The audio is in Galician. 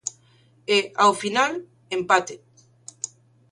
E, ao final, empate.